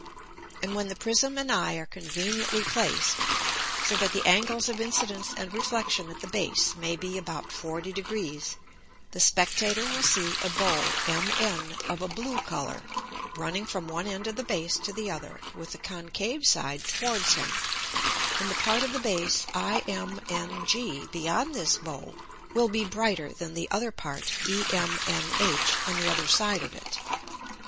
And when the Prism and Eye are conveniently placed, so that the Angles of Incidence and Reflexion at the Base may be about 40 Degrees, the Spectator will see a Bow MN of a blue Colour, running from one End of the Base to the other, with the Concave Side towards him, and the Part of the Base IMNG beyond this Bow will be brighter than the other Part EMNH on the other Side of it.